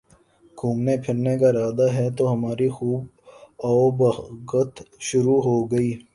گھومنے پھرنے کا ارادہ ہے تو ہماری خوب آؤ بھگت شروع ہو گئی